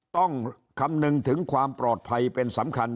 ต้องคำนึงถึงความปลอดภัยเป็นสำคัญ